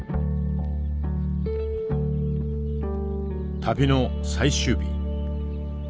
旅の最終日。